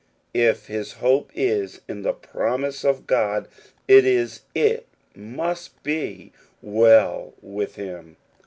If his hope is in the promise of God, it is, it must be, well with him.